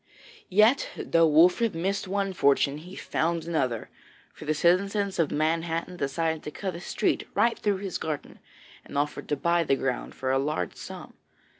Yet, though Wolfert missed one fortune, he found another, for the citizens of Manhattan desired to cut a street right through his garden, and offered to buy the ground for a large sum.